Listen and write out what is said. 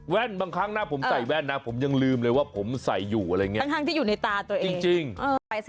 แว่นบางครั้งหน้าผมใส่แว่นนะผมยังลืมเลยว่าผมใส่อยู่อะไรอย่างนี้